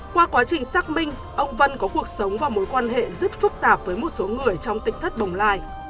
qua quá trình xác minh ông vân có cuộc sống và mối quan hệ rất phức tạp với một số người trong tỉnh thất bồng lai